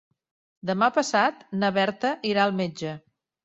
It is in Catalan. Demà passat na Berta irà al metge.